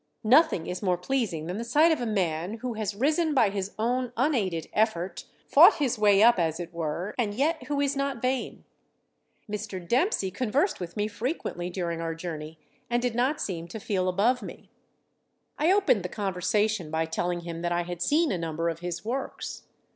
Nothing is more pleasing than the sight of a man who has risen by his own unaided effort, fought his way up, as it were, and yet who is not vain. Mr. Dempsey conversed with me frequently during our journey, and did not seem to feel above me. I opened the conversation by telling him that I had seen a number of his works.